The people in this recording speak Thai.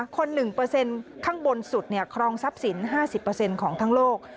๑ข้างบนสุดครองทรัพย์สิน๕๐ของทั้งโลก